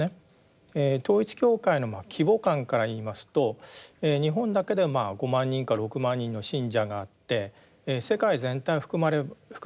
統一教会の規模感から言いますと日本だけで５万人か６万人の信者があって世界全体を含めればですね